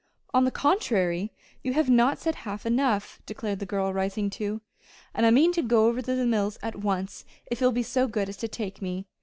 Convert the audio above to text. "On the contrary you have not said half enough," declared the girl, rising too; "and I mean to go over the mills at once, if you'll be so good as to take me.